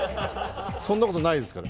そんなことないですから。